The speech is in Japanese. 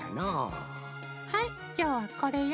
はいきょうはこれよ。